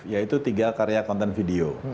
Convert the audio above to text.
yaitu tiga karya konten video